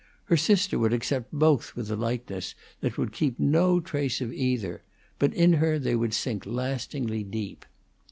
Her sister would accept both with a lightness that would keep no trace of either; but in her they would sink lastingly deep.